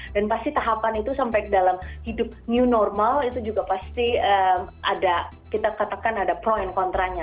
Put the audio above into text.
dan pasti tahapan itu sampai dalam hidup new normal itu juga pasti ada kita katakan ada pro and contra nya